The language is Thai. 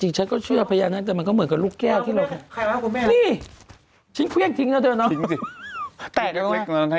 ฉันก็เชื่อพญานาคแต่มันก็เหมือนกับลูกแก้วที่เรา